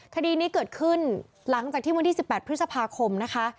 คดีนี้เกิดขึ้นหลังจากที่วันที่๑๘พฤษภาคมนะคะ